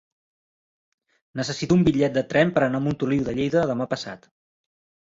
Necessito un bitllet de tren per anar a Montoliu de Lleida demà passat.